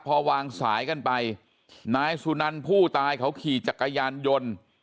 พอวางสายกันไปนายสุนันผู้ตายเขาขี่จักรยานยนต์